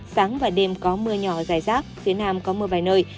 sáng và đêm có mưa nhỏ dài rác phía nam có mưa vài nơi